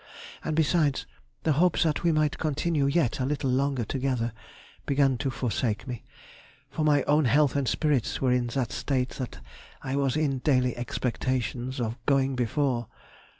And besides, the hope that we might continue yet a little longer together began to forsake me, for my own health and spirits were in that state that I was in daily expectation of going before.